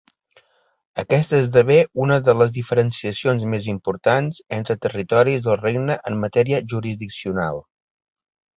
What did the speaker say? Aquesta esdevé una de les diferenciacions més importants entre territoris del Regne en matèria jurisdiccional.